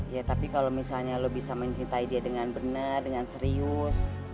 ya tapi kalau misalnya lo bisa mencintai dia dengan benar dengan serius